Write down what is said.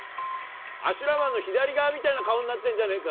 「アシュラマンの左側みたいな顔になってんじゃねえか！」